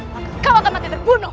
maka kau akan mati terbunuh